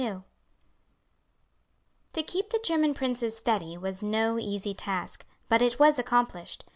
To keep the German princes steady was no easy task; but it was accomplished.